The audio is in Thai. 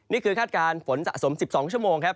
คาดการณ์ฝนสะสม๑๒ชั่วโมงครับ